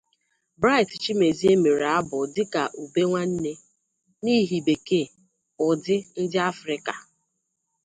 Bright Chimezie mere abụ dịka 'Ube Nwanne', 'n'ihi Bekee', ụdị ndị Afrika.